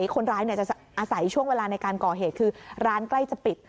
คนร้ายจะอาศัยช่วงเวลาในการก่อเหตุคือร้านใกล้จะปิด